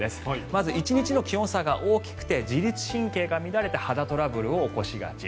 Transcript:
まず１日の気温差が大きくて自律神経が乱れて肌トラブルを起こしがち。